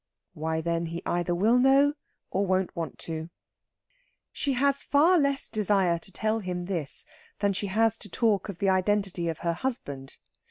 Why then he either will know or won't want to. She has far less desire to tell him this than she has to talk of the identity of her husband.